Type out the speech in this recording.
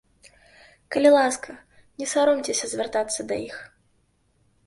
Калі ласка, не саромцеся звяртацца да іх.